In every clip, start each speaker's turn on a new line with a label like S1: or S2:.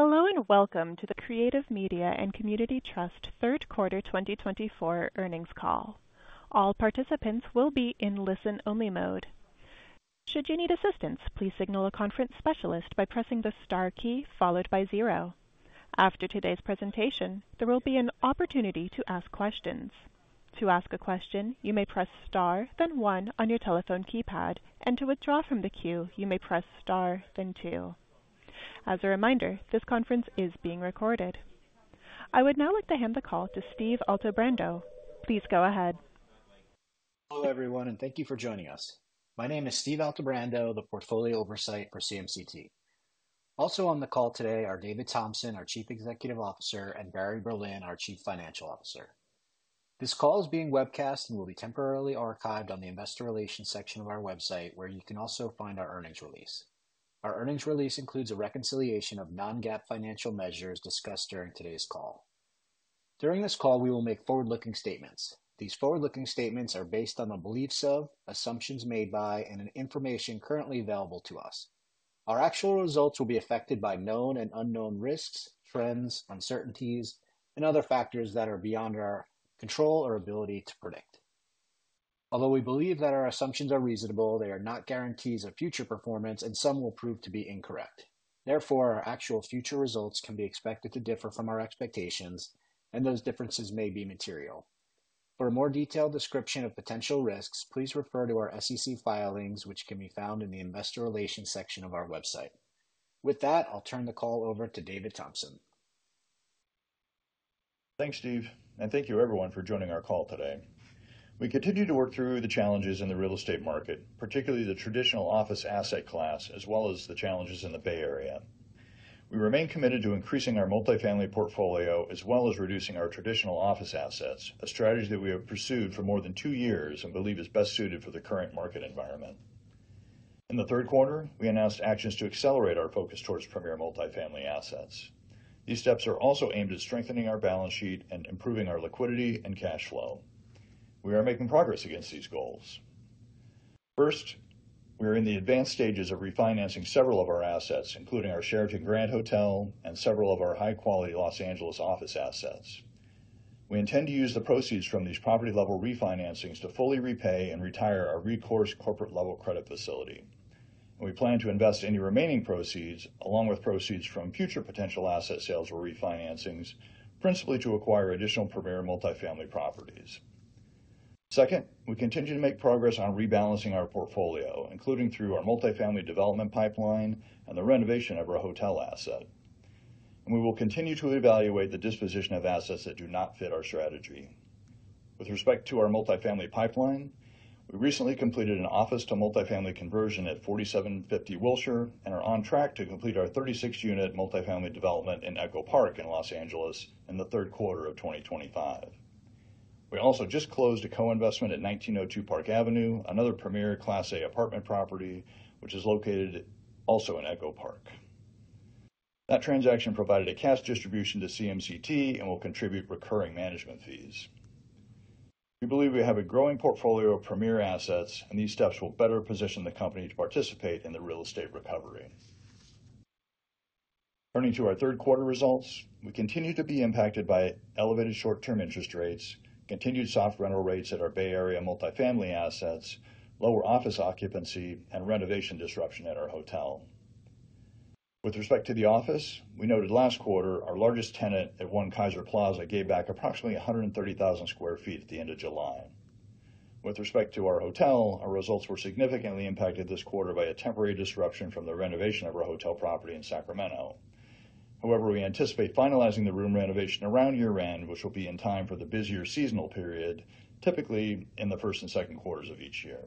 S1: Hello and welcome to the Creative Media & Community Trust Third Quarter 2024 earnings call. All participants will be in listen-only mode. Should you need assistance, please signal a conference specialist by pressing the star key followed by zero. After today's presentation, there will be an opportunity to ask questions. To ask a question, you may press star, then one on your telephone keypad, and to withdraw from the queue, you may press star, then two. As a reminder, this conference is being recorded. I would now like to hand the call to Steve Altebrando. Please go ahead.
S2: Hello everyone, and thank you for joining us. My name is Steve Altebrando, the Portfolio Oversight for CMCT. Also on the call today are David Thompson, our Chief Executive Officer, and Barry Berlin, our Chief Financial Officer. This call is being webcast and will be temporarily archived on the Investor Relations section of our website, where you can also find our earnings release. Our earnings release includes a reconciliation of non-GAAP financial measures discussed during today's call. During this call, we will make forward-looking statements. These forward-looking statements are based on the beliefs of, assumptions made by, and information currently available to us. Our actual results will be affected by known and unknown risks, trends, uncertainties, and other factors that are beyond our control or ability to predict. Although we believe that our assumptions are reasonable, they are not guarantees of future performance, and some will prove to be incorrect. Therefore, our actual future results can be expected to differ from our expectations, and those differences may be material. For a more detailed description of potential risks, please refer to our SEC filings, which can be found in the Investor Relations section of our website. With that, I'll turn the call over to David Thompson.
S3: Thanks, Steve, and thank you everyone for joining our call today. We continue to work through the challenges in the real estate market, particularly the traditional office asset class, as well as the challenges in the Bay Area. We remain committed to increasing our multifamily portfolio as well as reducing our traditional office assets, a strategy that we have pursued for more than two years and believe is best suited for the current market environment. In the third quarter, we announced actions to accelerate our focus towards premier multifamily assets. These steps are also aimed at strengthening our balance sheet and improving our liquidity and cash flow. We are making progress against these goals. First, we are in the advanced stages of refinancing several of our assets, including our Sheraton Grand Sacramento and several of our high-quality Los Angeles office assets. We intend to use the proceeds from these property-level refinancings to fully repay and retire our recourse corporate-level credit facility. We plan to invest any remaining proceeds, along with proceeds from future potential asset sales or refinancings, principally to acquire additional premier multifamily properties. Second, we continue to make progress on rebalancing our portfolio, including through our multifamily development pipeline and the renovation of our hotel asset. We will continue to evaluate the disposition of assets that do not fit our strategy. With respect to our multifamily pipeline, we recently completed an office-to-multifamily conversion at 4750 Wilshire and are on track to complete our 36-unit multifamily development in Echo Park in Los Angeles in the third quarter of 2025. We also just closed a co-investment at 1902 Park Avenue, another premier Class A apartment property, which is located also in Echo Park. That transaction provided a cash distribution to CMCT and will contribute recurring management fees. We believe we have a growing portfolio of premier assets, and these steps will better position the company to participate in the real estate recovery. Turning to our third quarter results, we continue to be impacted by elevated short-term interest rates, continued soft rental rates at our Bay Area multifamily assets, lower office occupancy, and renovation disruption at our hotel. With respect to the office, we noted last quarter our largest tenant at One Kaiser Plaza gave back approximately 130,000 sq ft at the end of July. With respect to our hotel, our results were significantly impacted this quarter by a temporary disruption from the renovation of our hotel property in Sacramento. However, we anticipate finalizing the room renovation around year-end, which will be in time for the busier seasonal period, typically in the first and second quarters of each year.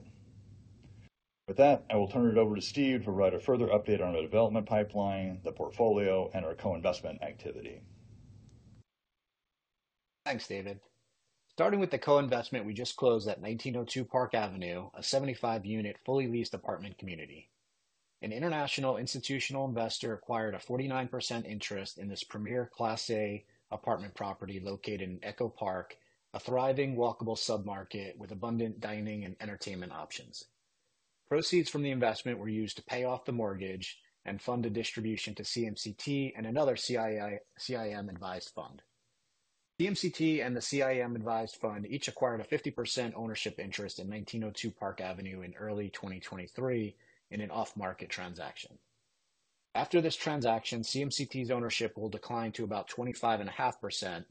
S3: With that, I will turn it over to Steve to provide a further update on our development pipeline, the portfolio, and our co-investment activity.
S2: Thanks, David. Starting with the co-investment, we just closed at 1902 Park Avenue, a 75-unit fully leased apartment community. An international institutional investor acquired a 49% interest in this premier Class A apartment property located in Echo Park, a thriving walkable submarket with abundant dining and entertainment options. Proceeds from the investment were used to pay off the mortgage and fund a distribution to CMCT and another CIM-advised fund. CMCT and the CIM-advised fund each acquired a 50% ownership interest in 1902 Park Avenue in early 2023 in an off-market transaction. After this transaction, CMCT's ownership will decline to about 25.5%.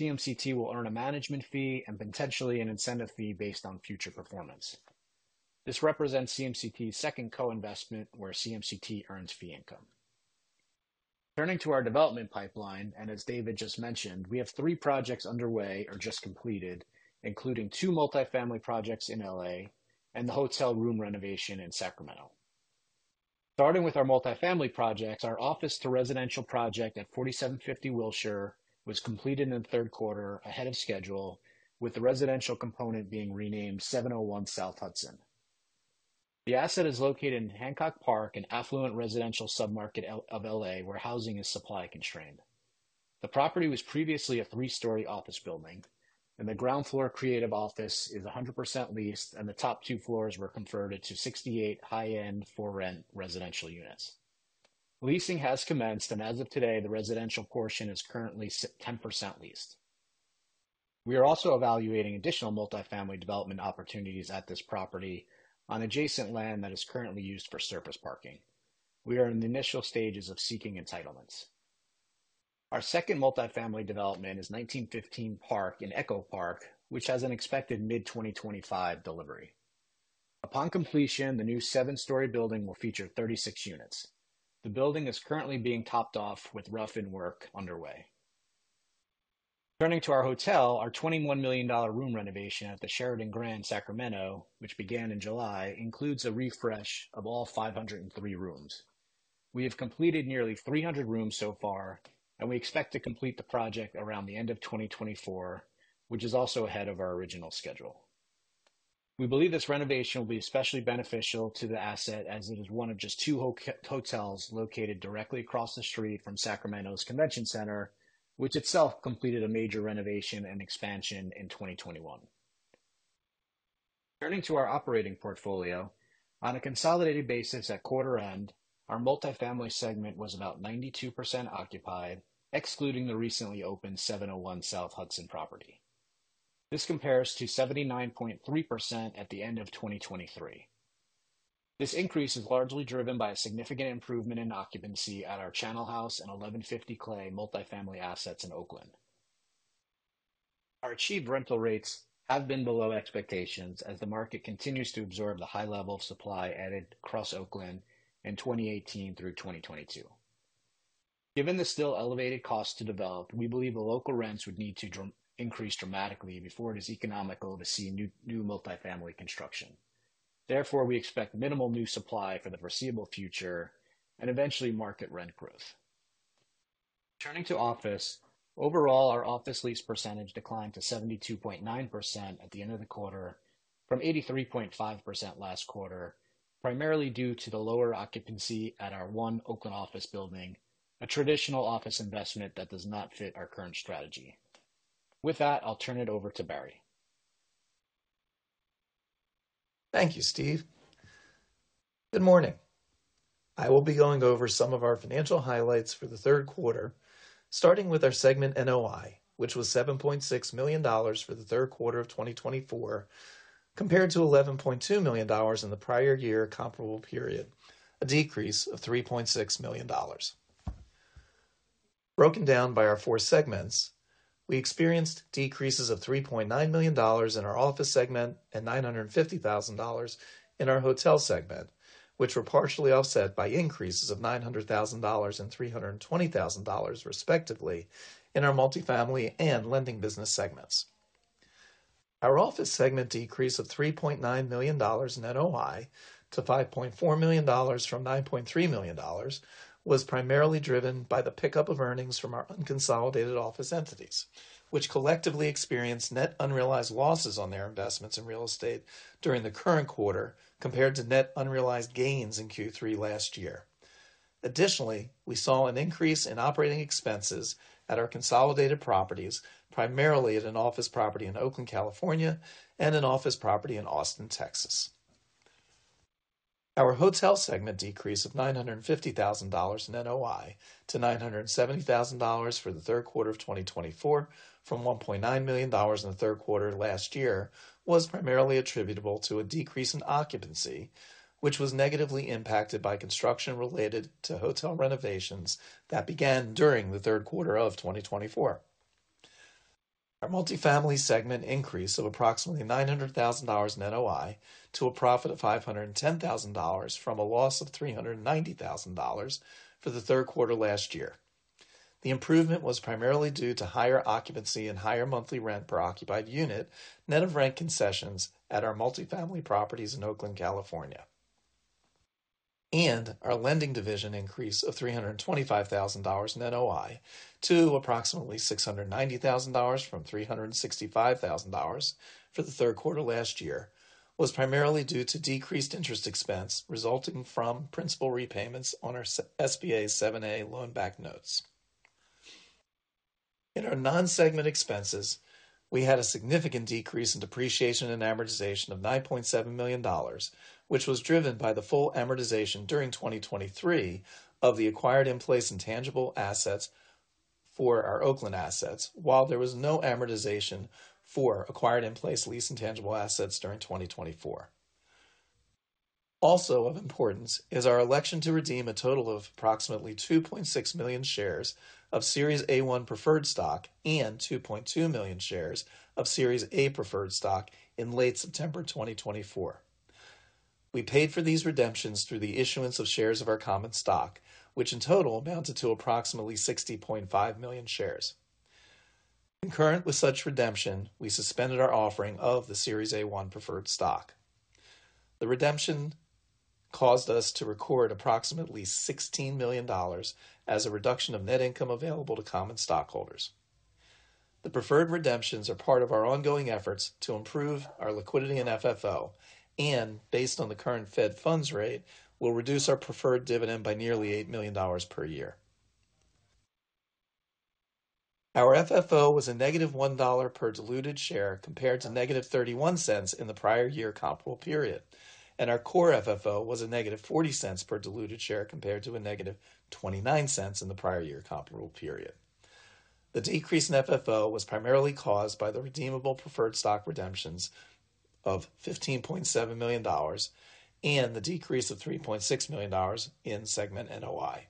S2: CMCT will earn a management fee and potentially an incentive fee based on future performance. This represents CMCT's second co-investment where CMCT earns fee income. Turning to our development pipeline, and as David just mentioned, we have three projects underway or just completed, including two multifamily projects in LA and the hotel room renovation in Sacramento. Starting with our multifamily projects, our office-to-residential project at 4750 Wilshire was completed in the third quarter ahead of schedule, with the residential component being renamed 701 South Hudson. The asset is located in Hancock Park, an affluent residential submarket of LA where housing is supply constrained. The property was previously a three-story office building, and the ground floor creative office is 100% leased, and the top two floors were converted to 68 high-end for-rent residential units. Leasing has commenced, and as of today, the residential portion is currently 10% leased. We are also evaluating additional multifamily development opportunities at this property on adjacent land that is currently used for surface parking. We are in the initial stages of seeking entitlements. Our second multifamily development is 1915 Park in Echo Park, which has an expected mid-2025 delivery. Upon completion, the new seven-story building will feature 36 units. The building is currently being topped off with rough-in work underway. Turning to our hotel, our $21 million room renovation at the Sheraton Grand Sacramento, which began in July, includes a refresh of all 503 rooms. We have completed nearly 300 rooms so far, and we expect to complete the project around the end of 2024, which is also ahead of our original schedule. We believe this renovation will be especially beneficial to the asset as it is one of just two hotels located directly across the street from Sacramento's Convention Center, which itself completed a major renovation and expansion in 2021. Turning to our operating portfolio, on a consolidated basis at quarter end, our multifamily segment was about 92% occupied, excluding the recently opened 701 South Hudson property. This compares to 79.3% at the end of 2023. This increase is largely driven by a significant improvement in occupancy at our Channel House and 1150 Clay multifamily assets in Oakland. Our achieved rental rates have been below expectations as the market continues to absorb the high level of supply added across Oakland in 2018 through 2022. Given the still elevated cost to develop, we believe the local rents would need to increase dramatically before it is economical to see new multifamily construction. Therefore, we expect minimal new supply for the foreseeable future and eventually market rent growth. Turning to office, overall, our office lease percentage declined to 72.9% at the end of the quarter from 83.5% last quarter, primarily due to the lower occupancy at our one Oakland office building, a traditional office investment that does not fit our current strategy. With that, I'll turn it over to Barry.
S4: Thank you, Steve. Good morning. I will be going over some of our financial highlights for the third quarter, starting with our segment NOI, which was $7.6 million for the third quarter of 2024, compared to $11.2 million in the prior year comparable period, a decrease of $3.6 million. Broken down by our four segments, we experienced decreases of $3.9 million in our office segment and $950,000 in our hotel segment, which were partially offset by increases of $900,000 and $320,000 respectively in our multifamily and lending business segments. Our office segment decrease of $3.9 million in NOI to $5.4 million from $9.3 million was primarily driven by the pickup of earnings from our unconsolidated office entities, which collectively experienced net unrealized losses on their investments in real estate during the current quarter compared to net unrealized gains in Q3 last year. Additionally, we saw an increase in operating expenses at our consolidated properties, primarily at an office property in Oakland, California, and an office property in Austin, Texas. Our hotel segment decrease of $950,000 in NOI to $970,000 for the third quarter of 2024 from $1.9 million in the third quarter last year was primarily attributable to a decrease in occupancy, which was negatively impacted by construction related to hotel renovations that began during the third quarter of 2024. Our multifamily segment increase of approximately $900,000 in NOI to a profit of $510,000 from a loss of $390,000 for the third quarter last year. The improvement was primarily due to higher occupancy and higher monthly rent per occupied unit net of rent concessions at our multifamily properties in Oakland, California. Our lending division increase of $325,000 NOI to approximately $690,000 from $365,000 for the third quarter last year was primarily due to decreased interest expense resulting from principal repayments on our SBA 7(a) loan-backed notes. In our non-segment expenses, we had a significant decrease in depreciation and amortization of $9.7 million, which was driven by the full amortization during 2023 of the acquired in-place intangible assets for our Oakland assets, while there was no amortization for acquired in-place lease intangible assets during 2024. Also of importance is our election to redeem a total of approximately 2.6 million shares of Series A1 Preferred Stock and 2.2 million shares of Series A Preferred Stock in late September 2024. We paid for these redemptions through the issuance of shares of our common stock, which in total amounted to approximately 60.5 million shares. Concurrent with such redemption, we suspended our offering of the Series A1 Preferred Stock. The redemption caused us to record approximately $16 million as a reduction of net income available to common stockholders. The preferred redemptions are part of our ongoing efforts to improve our liquidity and FFO, and based on the current Fed Funds Rate, will reduce our preferred dividend by nearly $8 million per year. Our FFO was a -$1 per diluted share compared to -$0.31 in the prior year comparable period, and our Core FFO was a -$0.40 per diluted share compared to a -$0.29 in the prior year comparable period. The decrease in FFO was primarily caused by the redeemable preferred stock redemptions of $15.7 million and the decrease of $3.6 million in segment NOI.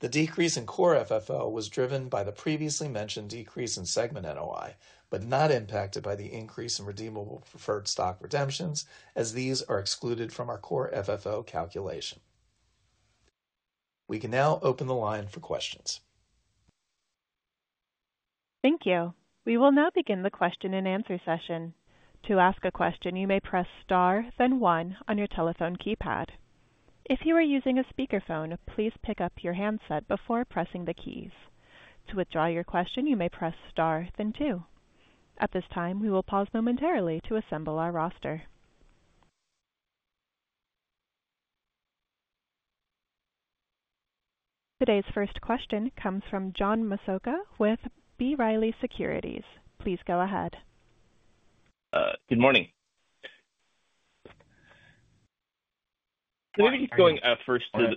S4: The decrease in Core FFO was driven by the previously mentioned decrease in segment NOI, but not impacted by the increase in redeemable preferred stock redemptions as these are excluded from our Core FFO calculation. We can now open the line for questions.
S1: Thank you. We will now begin the question and answer session. To ask a question, you may press star, then one on your telephone keypad. If you are using a speakerphone, please pick up your handset before pressing the keys. To withdraw your question, you may press star, then two. At this time, we will pause momentarily to assemble our roster. Today's first question comes from John Massocca with B. Riley Securities. Please go ahead.
S5: Good morning. Maybe just going first to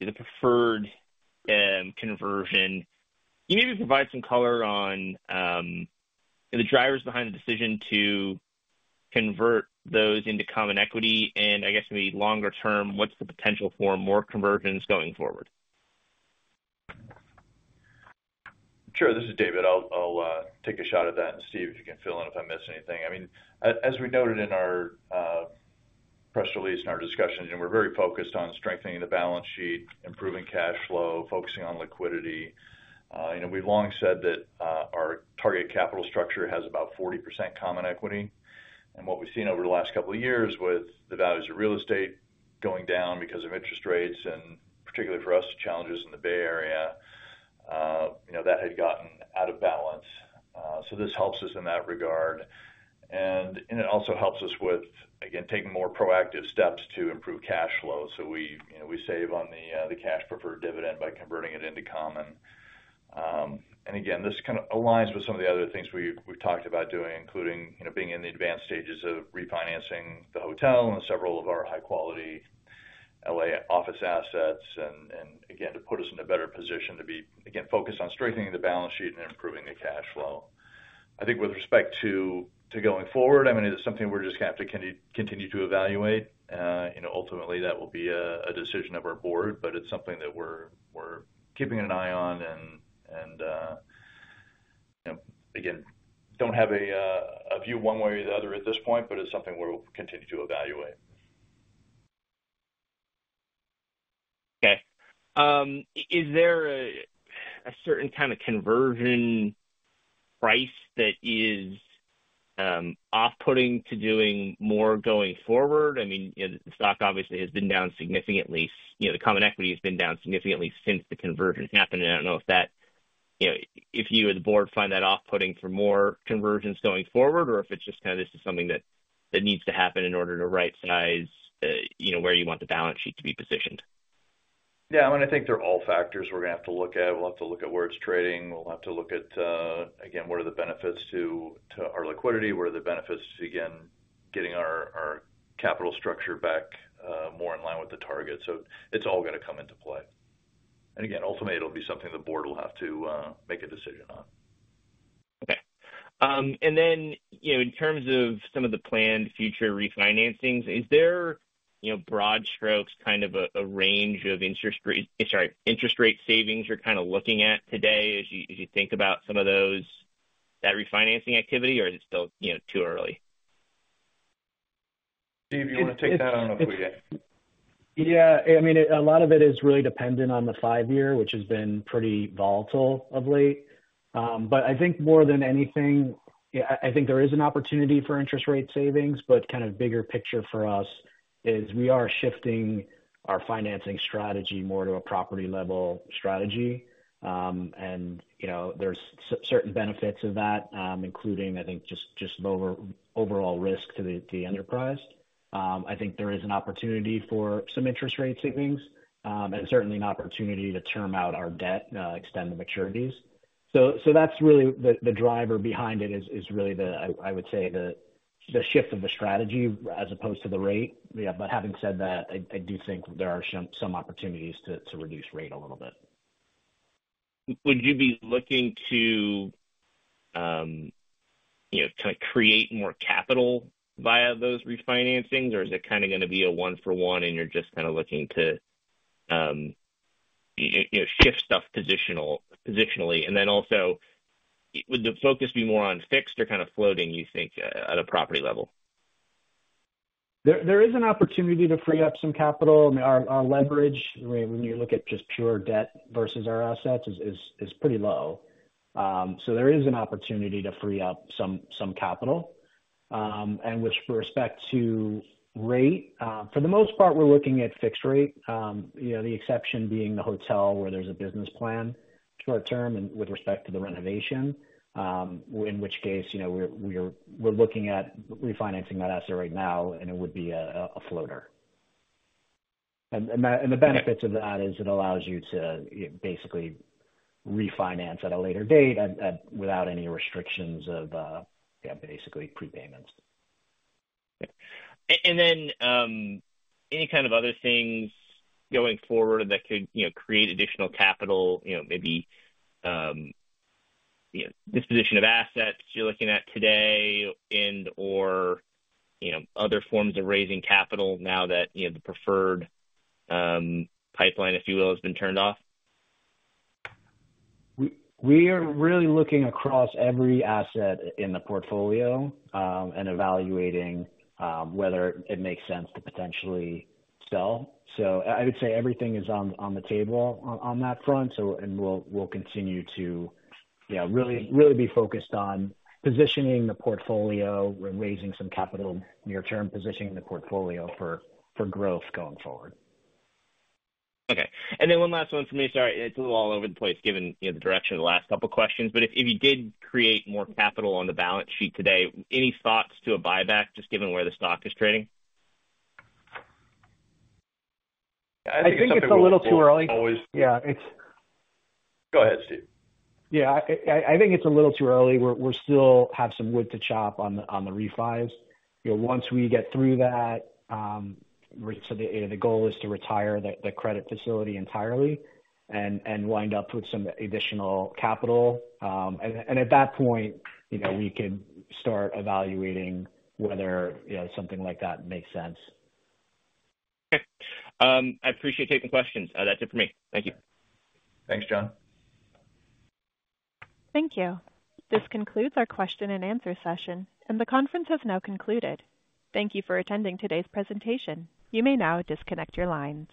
S5: the preferred conversion. Can you maybe provide some color on the drivers behind the decision to convert those into common equity and, I guess, maybe longer term, what's the potential for more conversions going forward?
S3: Sure. This is David. I'll take a shot at that and see if you can fill in if I missed anything. I mean, as we noted in our press release and our discussion, we're very focused on strengthening the balance sheet, improving cash flow, focusing on liquidity. We've long said that our target capital structure has about 40% common equity, and what we've seen over the last couple of years with the values of real estate going down because of interest rates and, particularly for us, challenges in the Bay Area, that had gotten out of balance. So this helps us in that regard, and it also helps us with, again, taking more proactive steps to improve cash flow. So we save on the cash preferred dividend by converting it into common. And again, this kind of aligns with some of the other things we've talked about doing, including being in the advanced stages of refinancing the hotel and several of our high-quality LA office assets. And again, to put us in a better position to be, again, focused on strengthening the balance sheet and improving the cash flow. I think with respect to going forward, I mean, it's something we're just going to have to continue to evaluate. Ultimately, that will be a decision of our board, but it's something that we're keeping an eye on. And again, don't have a view one way or the other at this point, but it's something we'll continue to evaluate.
S5: Okay. Is there a certain kind of conversion price that is off-putting to doing more going forward? I mean, the stock obviously has been down significantly. The common equity has been down significantly since the conversion happened. I don't know if that—if you as the board find that off-putting for more conversions going forward, or if it's just kind of—this is something that needs to happen in order to right-size where you want the balance sheet to be positioned?
S3: Yeah. I mean, I think they're all factors we're going to have to look at. We'll have to look at where it's trading. We'll have to look at, again, what are the benefits to our liquidity? What are the benefits to, again, getting our capital structure back more in line with the target? So it's all going to come into play. And again, ultimately, it'll be something the board will have to make a decision on.
S5: Okay, and then in terms of some of the planned future refinancings, is there, broad strokes, kind of a range of interest rate, sorry, interest rate savings you're kind of looking at today as you think about some of that refinancing activity, or is it still too early?
S3: Steve, you want to take that? I don't know if we.
S2: Yeah. I mean, a lot of it is really dependent on the five-year, which has been pretty volatile of late. But I think more than anything, I think there is an opportunity for interest rate savings, but kind of bigger picture for us is we are shifting our financing strategy more to a property-level strategy. And there's certain benefits of that, including, I think, just lower overall risk to the enterprise. I think there is an opportunity for some interest rate savings and certainly an opportunity to term out our debt, extend the maturities. So that's really the driver behind it is really, I would say, the shift of the strategy as opposed to the rate. But having said that, I do think there are some opportunities to reduce rate a little bit.
S5: Would you be looking to kind of create more capital via those refinancings, or is it kind of going to be a one-for-one and you're just kind of looking to shift stuff positionally? And then also, would the focus be more on fixed or kind of floating, you think, at a property level?
S2: There is an opportunity to free up some capital. I mean, our leverage, when you look at just pure debt versus our assets, is pretty low, so there is an opportunity to free up some capital, and with respect to rate, for the most part, we're looking at fixed rate, the exception being the hotel where there's a business plan short-term and with respect to the renovation, in which case we're looking at refinancing that asset right now, and it would be a floater, and the benefits of that is it allows you to basically refinance at a later date without any restrictions of basically prepayments.
S5: And then any kind of other things going forward that could create additional capital, maybe disposition of assets you're looking at today and/or other forms of raising capital now that the preferred pipeline, if you will, has been turned off?
S3: We are really looking across every asset in the portfolio and evaluating whether it makes sense to potentially sell. So I would say everything is on the table on that front. And we'll continue to really be focused on positioning the portfolio and raising some capital near-term, positioning the portfolio for growth going forward.
S5: Okay. And then one last one for me. Sorry, it's a little all over the place given the direction of the last couple of questions. But if you did create more capital on the balance sheet today, any thoughts to a buyback just given where the stock is trading?
S2: I think it's a little too early.
S3: Always. Yeah. It's. Go ahead, Steve.
S2: Yeah. I think it's a little too early. We still have some wood to chop on the refis. Once we get through that, the goal is to retire the credit facility entirely and wind up with some additional capital, and at that point, we can start evaluating whether something like that makes sense.
S5: Okay. I appreciate taking questions. That's it for me. Thank you.
S3: Thanks, John.
S1: Thank you. This concludes our question and answer session. And the conference has now concluded. Thank you for attending today's presentation. You may now disconnect your lines.